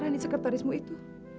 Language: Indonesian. rani sekretarismu itu